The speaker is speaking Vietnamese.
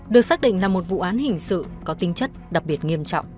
được xác định là một vụ án hình sự có tinh chất đặc biệt nghiêm trọng